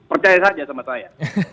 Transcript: percaya saja sama saya